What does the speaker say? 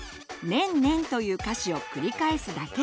「ねんねん」という歌詞を繰り返すだけ！